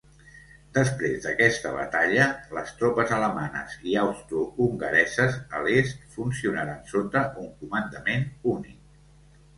Després d'aquesta batalla, les tropes alemanyes i austrohongareses a l'est funcionaren sota un comandament únic.